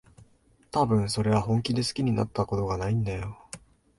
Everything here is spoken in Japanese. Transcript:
たぶん、それは本気で好きになったことがないんだよ。